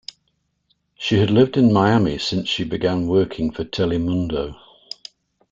She had lived in Miami since she began working for Telemundo.